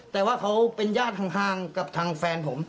แต่ว่าเขาเป็นญาติห่างกับทางแฟนผม